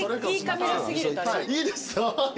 いいですよいい。